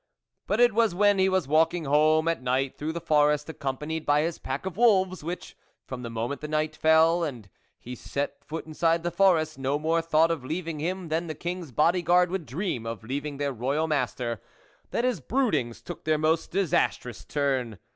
But it was when he was walking home at night through the forest, accompanied by his pack of wolves, which, from the moment the night fell and he set foot inside the forest, no more thought of leaving him than the King's bodyguard would dream of leaving their Royal master, that his broodings took their most disastrous turn.